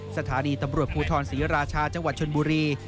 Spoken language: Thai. สถานีตำรวจภูทรศรีราชาจังหวัดชนบุรี